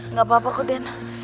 nggak apa apa kok den